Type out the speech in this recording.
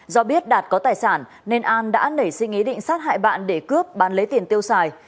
do biết đạt có tài sản nên an đã nảy sinh ý định sát hại bạn để cướp bán lấy tiền tiêu xài